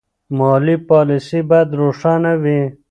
مالي پالیسي باید روښانه وي.